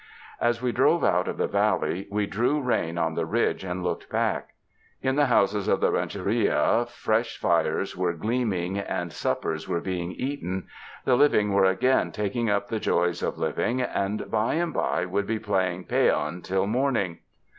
As we drove out of the valley, we drew rein on the ridge and looked back. In the houses of the rancheria fresh fires were gleaming, and suppers were being eaten; the living were again taking up the joys of living, and, by and by, would be playing peon till morning.